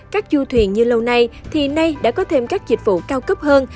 các du thuyền như lâu nay thì nay đã có thêm các dịch vụ cao cấp hơn